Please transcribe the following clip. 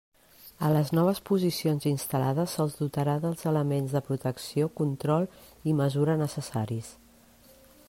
A les noves posicions instal·lades se'ls dotarà dels elements de protecció, control i mesura necessaris.